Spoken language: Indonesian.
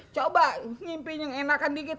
coba ngimpin yang enakan dikit